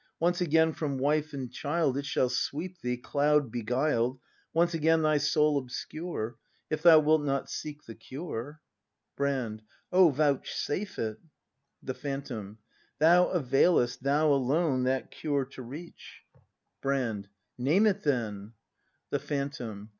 Once again from wife and child It shall sweep thee, cloud beguiled, Once again thv soul obscure, — If thou wilt not seek the cure. Brand. Oh, vouchsafe it! The Phantom. Thou availest, Thou alone, that cure to reach. 294 BRAND [act V Brand. Name it then! The Phantom.